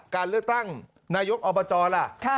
การเลือกตั้งนายกอบจล่ะ